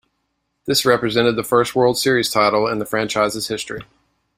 This represented the first World Series title in the franchise's history.